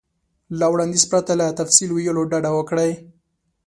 له وړاندیز پرته له تفصیل ویلو ډډه وکړئ.